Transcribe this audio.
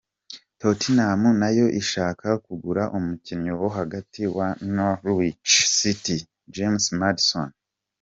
Tottenham nayo ishaka kugura umukinyi wo hagati wa Norwich City, James Maddison.